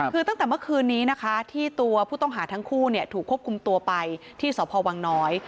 คือตั้งแต่เมื่อคืนนี้นะคะที่ตัวผู้ต้องหาทั้งคู่ถูกควบคุมตัวไปที่สพวังน้อย